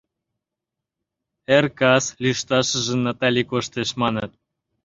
— Эр кас лӱшташыже Натали коштеш, маныт.